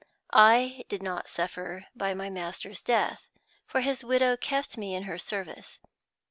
I did not suffer by my master's death, for his widow kept me in her service.